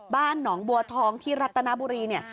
บ้านหนองบัวทองที่รัตนบุรีเนี่ย